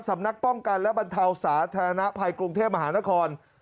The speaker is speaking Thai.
สำนักป้องกันและบรรเทาสาธารณภัยกรุงเทพมหานคร